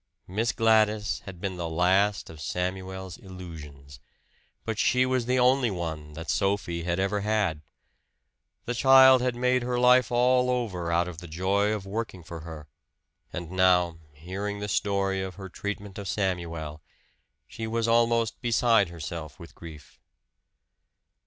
Miss Gladys had been the last of Samuel's illusions; but she was the only one that Sophie had ever had. The child had made her life all over out of the joy of working for her; and now, hearing the story of her treatment of Samuel, she was almost beside herself with grief.